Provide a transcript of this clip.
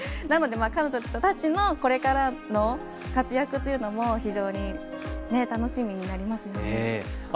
なので、彼女たちのこれからの活躍というのも非常に楽しみになりますね。